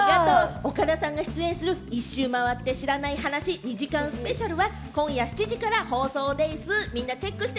岡田さんが出演する『１周回って知らない話』２時間スペシャルは今夜７時から放送でぃす！